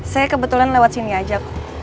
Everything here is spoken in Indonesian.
saya kebetulan lewat sini aja